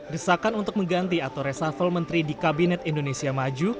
desakan untuk mengganti atau resafel menteri di kabinet indonesia maju